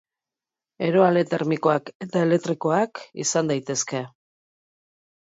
Eroale termikoak eta elektrikoak izan daitezke.